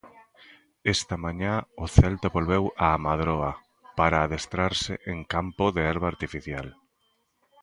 Esta mañá o Celta volveu á Madroa, para adestrarse en campo de herba artificial.